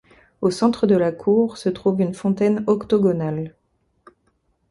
Au centre de la cour se trouve une fontaine octogonale.